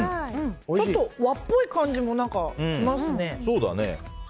ちょっと和っぽい感じもします。